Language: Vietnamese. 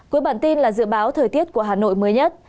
cuối bản tin là dự báo thời tiết của hà nội mới nhất